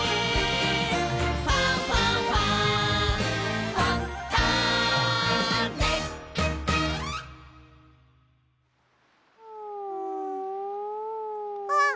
「ファンファンファン」あっ。